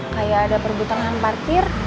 kayak ada perbutangan parkir